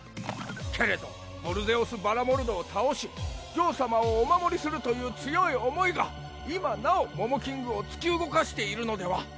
けれどヴォルゼオス・バラモルドを倒しジョー様をお守りするという強い思いが今なおモモキングを突き動かしているのでは？